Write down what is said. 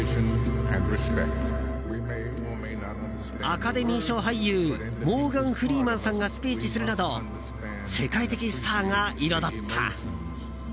アカデミー賞俳優モーガン・フリーマンさんがスピーチするなど世界的スターが彩った。